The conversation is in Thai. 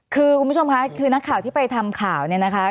คือคุณผู้ชมค่ะคือนักข่าวที่ไปทำข่าวเนี่ยนะคะ